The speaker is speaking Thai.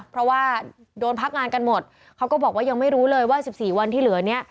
เพราะว่าโดนพักงานกันหมดเขาก็บอกว่ายังไม่รู้เลยว่า๑๔วันที่เหลือเนี่ย